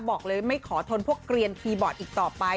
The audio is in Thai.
บอกเลยไม่ขอทนพวกเกลียนคีย์บอร์ดอีกต่อไป